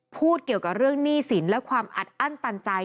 พูดเกี่ยวกับเรื่องหนี้สินและความอัดอั้นตันใจ